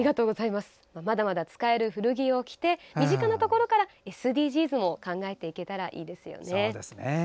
まだまだ使える古着を着て身近なところからＳＤＧｓを考えていけたらいいですよね。